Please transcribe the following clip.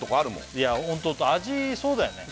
いやホント味そうだよね